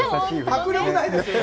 迫力ないですね。